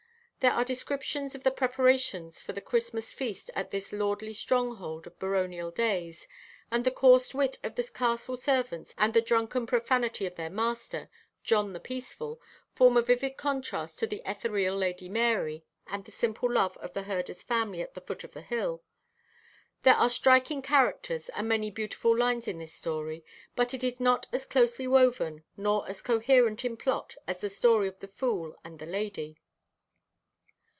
There are descriptions of the preparations for the Christmas feast at this lordly stronghold of baronial days, and the coarse wit of the castle servants and the drunken profanity of their master, "John the Peaceful," form a vivid contrast to the ethereal Lady Marye and the simple love of the herder's family at the foot of the hill. There are striking characters and many beautiful lines in this story, but it is not as closely woven nor as coherent in plot as the story of the fool and the lady.